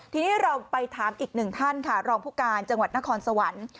ทีนี้เราไปถามอีกหนึ่งท่านค่ะรองผู้การจังหวัดนครสวรรค์